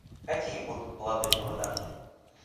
Какие будут плоды труда?